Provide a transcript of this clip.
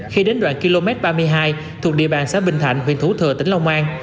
khi đến đoạn km ba mươi hai thuộc địa bàn xã bình thạnh huyện thủ thừa tỉnh long an